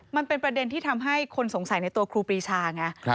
มันเป็นประเด็นที่ทำให้คนสงสัยในตัวครูปรีชาไง